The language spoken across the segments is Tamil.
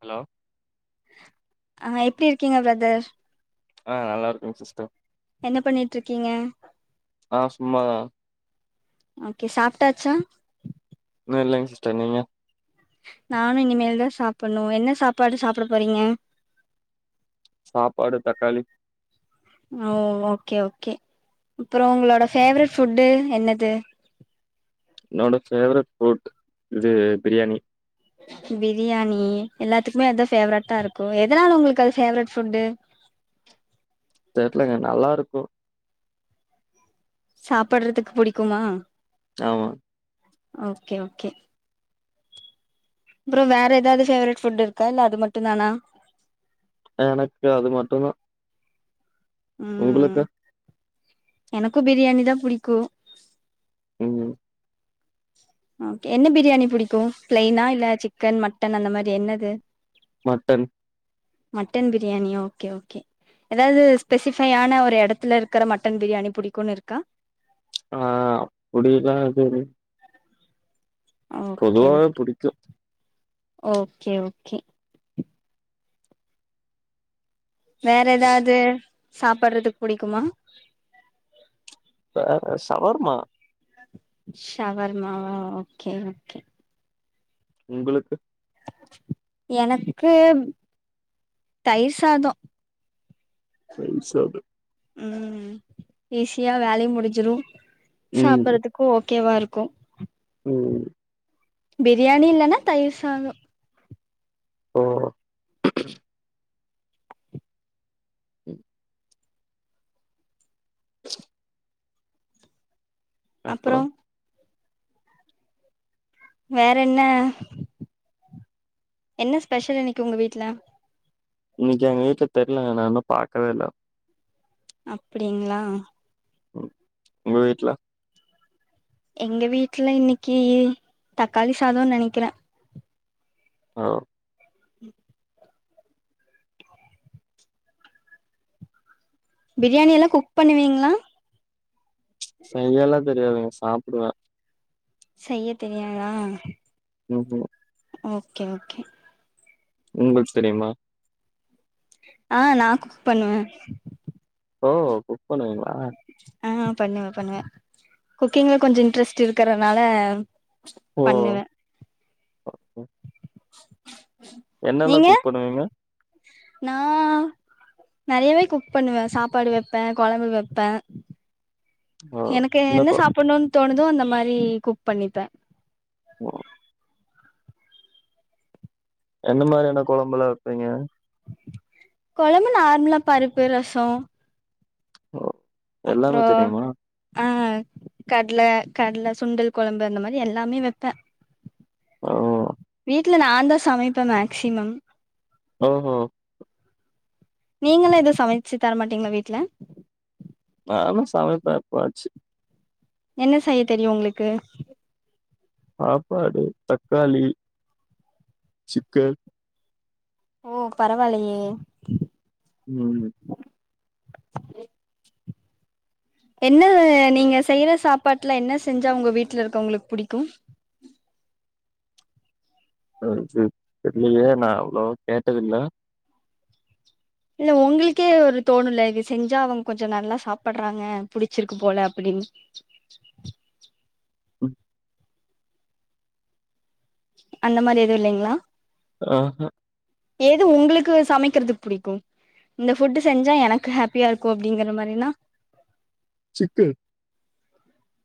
ஹலோ ஆஹ் எப்படி இருக்கீங்க பிரதர் ஆஹ் நல்லா இருக்கங்க சிஸ்டர் என்ன பண்ணிட்ருக்கீங்க ஆ சும்மாதான் ஓகே சாப்ட்டாச்சா இல்லைங் சிஸ்டர் நீங்க நானும் இனிமேல்தான் சாப்பிட்ணும் என்ன சாப்பாடு சாப்பிட போறீங்க சாப்பாடு தக்காளி ஓ ஓகே ஓகே அப்புறோ உங்களோட ஃபேவரட் ஃபுட்டு என்னது என்னோட ஃபேவரெட் ஃபுட் இது பிரியாணி பிரியாணி எல்லாத்துக்குமே அதான் ஃபேவரட்டா இருக்கும் எதனால உங்களுக்கு அது ஃபேவரட் ஃபுட்டு தெர்லங்கே நல்லாருக்கோ சாப்பட்றதுக் புடிக்குமா ஆமா ஓகே ஓகே அப்பறம் வேற ஏதாவது ஃபேவரட் ஃபுட் இருக்கா இல்ல அது மட்டும்தானா எனக்கு அது மட்டும் தான் ம் எனக்கும் பிரியாணி தான் புடிக்கும் ம் ம் ஓகே என்ன பிரியாணி புடிக்கும் பிளைனா இல்ல சிக்கன் மட்டன் அந்த மாரி என்னது மட்டன் மட்டன் பிரியாணியோ ஓகே ஓகே ஏதாவது ஸ்பெசிஃபையான ஒரு எடத்துல இருக்குற மட்டன் பிரியாணி புடிக்குன்னு இருக்கா ஆ அப்பிடில்லா எதுவுல்ல ஓகே பொதுவா ஓ புடிக்கும் ஓகே ஓகே வேற எதாது சாப்பிறது புடிக்குமா வேற சவர்மா ஷவர்மாவா ஓகே ஓகே உங்களுக்கு எனக்கு தயிர் சாதம் தயிர் சாதம் ம் ஈஸியா வேலையு முடிஞ்சிரும் ம் சாப்பிறதுக்கு ஒ ஓக்கேவா இருக்கும் ம் பிரியானி இல்லன்னா தயிர் சாதம் ஓ ம் அப்றோ வேற என்ன என்ன ஸ்பெஷல் இன்னைக்கி உங்க வீட்ல இன்னைக்கா, எங்க வீட்ல தெர்லங்க நா இன்னு பாக்கவே இல்ல அப்டிங்ளா ம், உங்க வீட்ல எங்க வீட்ல இன்னைக்கி தக்காளி சாதோன்னு நெனைக்கிறே ஆ பிரியாணி எல்லா குக் பண்ணுவீங்ளா? செய்யல்லா தெரியாதுங்க சாப்டுவ செய்ய தெரியாதா? ம்ஹூம் ஓகே ஓகே உங்ளுக்கு தெரிமா ஆ, நா குக் பண்ணுவே ஓ, குக் பண்ணுவிங்ளா ஆ, பண்ணுவே பண்ணுவே குக்கிங்ல கொஞ்சோ இன்ட்ரெஸ்ட் இருக்கறனால பண்ணுவே ஓ [inaudible] என்னல்லா குக் பண்ணுவீங்க நான் நெறையவே குக் பண்ணுவே சாப்பாடு வெப்பே கொழம்பு வைப்பே ஓ! எனக்கு என்ன கொ சாப்புட்ணோன்னு தோணுதோ அந்த மாரி குக் பண்ணிப்பே ஒ என்ன மாரியான கொழம்பெலா வெப்பீங்க கொழம்பு நார்மலா பருப்பு ரசோ ஒ அப்புறோ ஆஹ் கட்ல கட்ல சுண்டல் கொழம்பு அந்த மாரி எல்லாமே வெப்பே ஆ வீ்ட்ல நான் தா சமைப்பேன் மேக்சிமம் ஓ ஓஹ் நீங்கல்லா எதவு சமைச்சு தரமாட்டீங்களா வீட்டு்ல நானு சமைப்பே எப்பவாச்சு என்ன செய்ய தெரியும் உங்களுக்கு சாப்பாடு தக்காளி சிக்கன் ஓ பரவால்லையே உம் சரி என்ன நீங்க செய்யற சாப்பாட்டுலா என்ன செஞ்சா உங்க வீட்ல இருக்க வங்களுக்கு புடிக்கும் ஆ அது தெர்லியே நா அவ்ளோ கேட்டதில்ல இல்ல உங்களுக்கே ஒரு தோணும் இல்ல இது செஞ்சா அவுங்க கொஞ்சோ நல்லா சாப்புடுறாங்க புடிச்சிருக்கு போல அப்டின்னு உ அந்த மாரி எது இல்லிங்ளா ஆஹ எது உங்குளுக்கு சமைக்கறது புடிக்கும் இந்த ஃபுட்டு் செஞ்சா எனக்கு ஹேப்பியா இருக்கு அப்டிங்கற மாறினா சிக்கு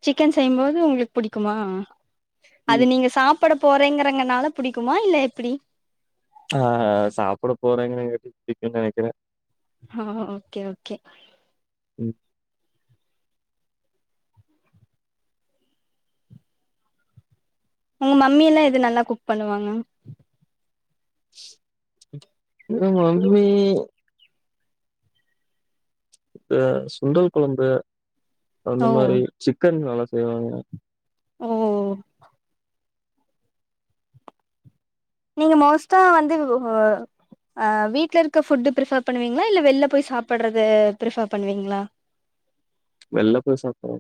சிக்கன் செய்யும்போது உங்களுக்கு புடிக்குமா அது ம். நீங்க சாப் ப்பட போறேங்கறங்கனால புடிக்குமா இல்ல எப்படி ஆஹ சாப்பட போறே அப்டி புடிக்குனு நெனைக்கிற ஆஹ ஓகே ஓகே ம் உங்க மம்மி எல்லா எது நல்லா குக் பண்ணுவாங்க எ மம்மி இந்த சுண்டல் கொழம்பு அந்த மாரி சிக்கன் நல்லா செய்வாங்க ஒ நீங்க மோஸ்ட்டா வந்து ஓ அ வீட்ல இருக்க ஃபுட்டு பிரிஃபர் பண்ணுவீங்ளா இல்ல வெள்ல போய் சாப்பட்றது பிரிஃபர் பண்ணுவீங்ளா ச் வெள்ல போய் சாப்படற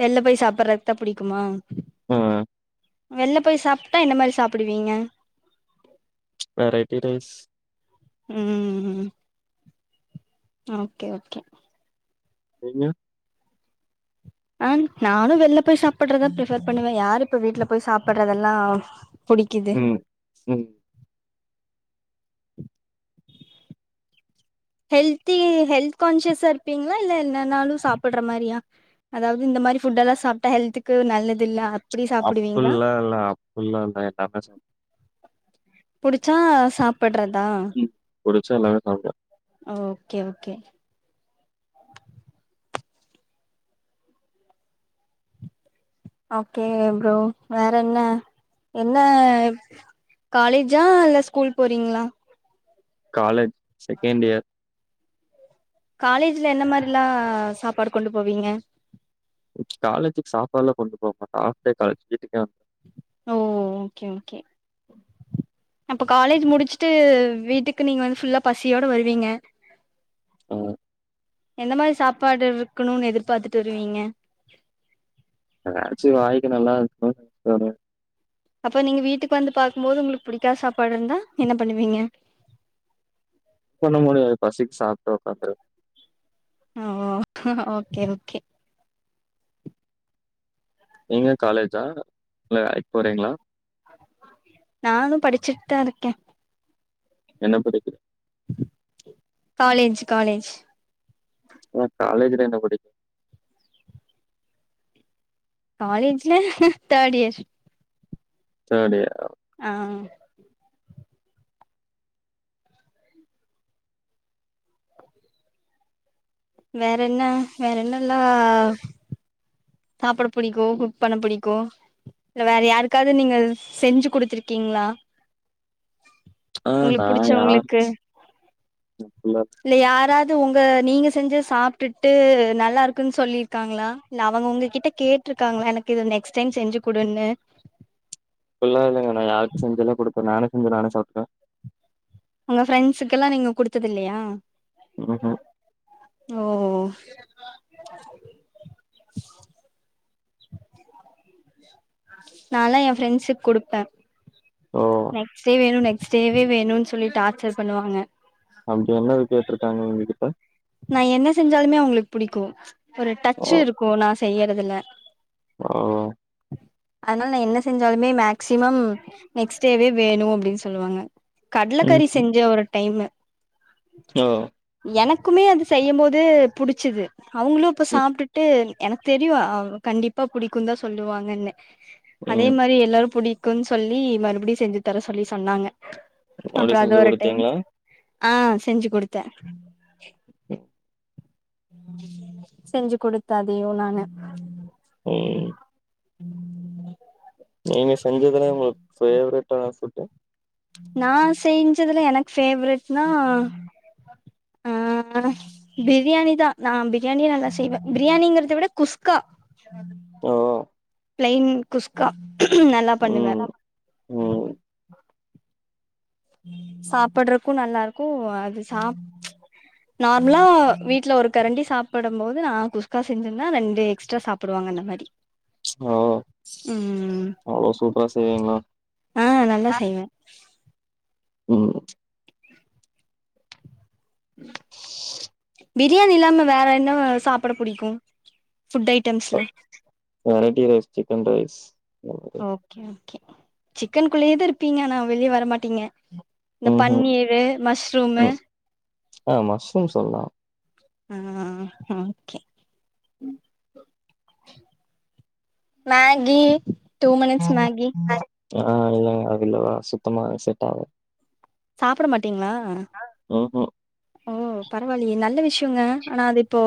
வெள்ல போய் சாப்பட்றதுக்குதா புடிக்குமா ஆ ஆ வெள்ல போய் சாப்ட்டா என்ன மாரி சாப்பிடுவீங்க வெரைட்டி ரைஸ் ம் ஓகே ஓகே நீங்க அன் நானு வெள்ல போய் சாப்பிட்றதா ப்ரிஃபர் பண்ணுவே யாரு இப்ப வீட்ல போய் சாப்பிடறதெல்லா புடிக்கிது ம் ம் ஹெல்தி ஹெல்த் கான்சியஸா இருப்பீங்களா இல்ல என்னனாலு சாப்பிடுற மாரியா அதாவது இந்த மாரி புட் எல்லா சாப்ட்டா ஹெல்த்துக்கு நல்லதில்ல அப் அப்பல்லால்ல அப்பல்லால்ல எல்லாமே சாப் புடிச்சா சாப் பட்றதா புடிச்சா எல்லாமே சாப்ட்வே ஆ ஓகே ஓகே ஓகே ப்ரோ வேறென்ன என்ன காலேஜா இல்ல ஸ்கூல் போறீங்ளா காலேஜ் செகண்ட் இயர் காலேஜ்ல என்ன மாரில்லா சாப்பாடு கொண்டு போவீங்க ச் காலேஜூக்கு சாப்பாட்ல்லா கொண்டு போக மாட்டோ ஹாப் டே காலேஜ் வீட்டுக்கே வந் ஓ ஓகே ஓகே அப்ப காலேஜ் முடிச்சுட்டு வீட்டுக்கு நீங்க வந்து ஃபுல்லா பசியோட வருவீங்க ஆ எந்த மாதிரி சாப்பாடு இருக்கணும்னு எதிர்பார்த்துட்டு வருவீங்க ஏதாச்சு வாய்க்கு நல்லா இருக்கனு சாப்ட அப்ப நீங்க வீட்டுக்கு வந்து பாக்கும்போது உங்களுக்கு புடிக்காத சாப்பாடு இருந்தா என்ன பண்ணுவீங்க ஒன்னு முடியாது பசிக் சாப்ட்டு உக்காந்திருவ ம் ம் ஓகே ஓகே நீங்க காலேஜா வேலைக் போறீங்ளா நானு படிச்சுட்டு தா இருக்கேன். என்ன பிடிக்க காலேஜ்- காலேஜ் ஆனா காலேஜ்ல என்ன பிடிக்கும் காலேஜ்ல தேர்டியர் தேடியரா ஆஹ்ஹ வேறென்ன - வேறென்னலா சாப்ட புடிக்கும், குக் பண்ண புடிக்கும் இ வேற யாருக்காவது நீங்க செஞ்சு குடுத்துருக்கீங்களா ஆ உங்களுக்கு நான் யார் புடிச்சவங்களுக்கு, அப்புல்லா இல்ல யாராது உங்க நீங்க செஞ்ச சாப்ட்டு-ட்டு நல்லா இருக்குன்னு சொல்லிிருக்காங்களா இல்ல அவங்க உங்க கிட்ட கேட்டிருக்காங்களா எனக்கு இது நெக்ஸ்டைம் செஞ்சு கொடுனு ச நானேசெஞ்சி, நானே சாப்ட உங்க ஃரெண்ட்ஸுக்கு எல்லா நீங்க குடுத்தது இல்லயா ம்ஹூம் ஓஉ [unintelligible] நால்லா என் ஃப்ரெண்ட்ஸுக்கு குடுப்பேன் ஓ நெக்ஸ்டே வேணும், நெக்ஸ்ட் டேவே வேணும்ன்னனு சொல்லி டார்ச்சர் பண்ணுவாங்க அப்படி என்னது கேட்டருக்காங்க உங்ககிட்ட நா என்ன செஞ்சாலுமே அவங்களுக்கு புடிக்கு, ஒரு ஓ டச்சு இருக்கு, நா செய்யறதுல ஓ அதனால நா என்ன செஞ்சாலுமே மேக்சிமம் நெக்ஸ்டேவே வேணு அப்டின்னு சொல்லுவாங்க கடலக்கறி செஞ்ச ஒரு டைமு ஆ க்குமே அது செய்யமோது புடிச்சுது அவுங்களு இப்ப ம் சாப்டுட்டு எனக்கு தெரியு அ கண்டிப்பா புடிக்கும் தா சொல்லுவாங்கன்னு அதே ம் மாரி எல்லாரும் புடி க்குனு சொல்லி மறுபடியு செஞ்சு தர சொல்லி சொன்னாங்க அப்டி அப்பறம் அது செஞ்சு ஒரு டைம் குடுத்தீங்களா ஆ செஞ்சி குடுத்தேன். ம் செஞ்சு குடுத்த அதையு நானு ம் ம்-ம் நீங்க செய்யறதுல உங்களுக்கு ஃபேவ்ரட் பேராசுட்டு நா செஞ்சதுல எனக்கு பேவரெட்னா ஆ ஆ பிரியாணிதா நா பிரியாணிய நல்லா செய்வேன் பிரியாணிங்கறத விட குஸ்கா ஓ [inaudible] ப்ளைன் குஸ்கா நல்லா பண்ணுவன் ம் ம் சாப்புட்றக்கு நல்லாருக்கு அது சாப் ச்ச நார்முலா வீட்லே ஒரு கரண்டி சாப்புடம் போது நா குச்கா செஞ்சிந்தா ரெண்டு எக்ஸ்ட்ரா சாப்புடுவாங்க அந்த மாரி ஓ ம் அவ்ளோ சூப்பரா செய்வீங்களா ஆ நல்லா செய்வே ம் பிரியாணி இல்லாம வேற என்னாவு சாப்புட புடிக்கு ஃபுட் ஐட்டம்ஸ்லே வரைட்டி ரைஸ் சிக்கன் ரைஸ் சிக்கன்க் குள்ளயேதா இர்ப்பீங்கே ஆனா வெளியே வரமாட்டீங்கே இந்த ம்ஹூம் பன்னீரு மஷ்ரூமு ம் ஆ மஷ்ரூம் சொல்லா ஆ ஆ கே ம் மேகி டூ மினிட்ஸ் மேகி ஆ இல்லங்கே அதுலில்லா சுத்தமா செட்டா சாப்புட மாட்டீங்ளா ம்ஹூம் ஓ பரவாலியே நல்ல விஷ்யோங்கே ஆனா அது இப்போ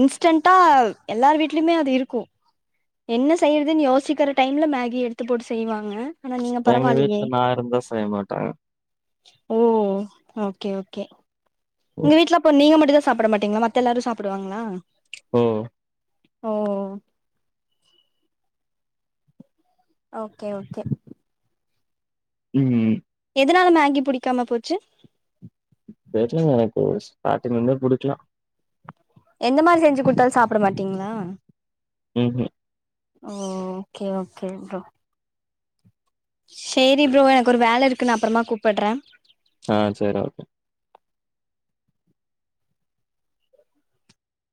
இன்ஸ்டென்ட்டா எல்லார் வீட்லியுமே அது இருக்கோ என்னே செய்யற்துன் யோசிக்கிற டைம்லே மேகி எடுத்து போட்டு செய்வாங்க ஆனா நீங்க ச்ச எங்கே பரவாயில்லையே வீட்லே நா இருந்தா செய்ய மாட்டே ஓ ஓகே, ஓ கே உங்க வீட்ல அப்போ நீங்க மட்டுந்தா சாப்புட மாட்டீங்ளா மத்த எல்லாரு சாப்புடுவாங்களா ஓ ஓ ஓகே ஓகே ம், ம் எதனால மேங்கி புடிக்காம போச்சு தெரிலங்க எனக்கு ஸ்டார்டிங்லந்தே புடிக்கலா எந்த மாரி செஞ்சு குடுத்தாலு சாப்ட மாட்டீங்களா ம்ஹூம் ஓ ஓகே ஓகே ப்ரோ சேரி ப்ரோ எனக்கு ஒரு வேல இருக்கு நா அப்பறமா கூப்புட்ற ஆ சேரி ஓகே